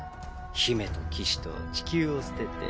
姫と騎士と地球を捨てて。